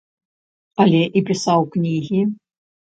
Але і пісаў кнігі.